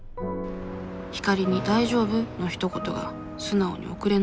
光莉に「大丈夫？」のひと言が素直に送れない問題。